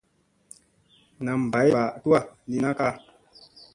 Nam bay mba tuwa li na kaaʼa.